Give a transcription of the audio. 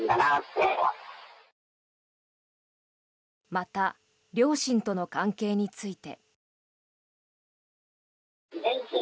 また両親との関係について。